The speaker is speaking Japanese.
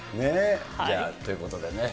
じゃあ、ということでね。